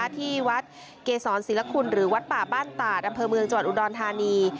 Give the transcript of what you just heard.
ที่วัดเกษรศิลคุณหรือวัดป่าบ้านตาดอำเภอเมืองจังหวัดอุดรธานี